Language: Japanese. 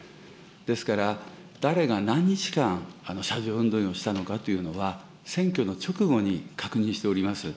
ですから、誰が何日間、車上運動員をしたのかというのは、選挙の直後に確認しております。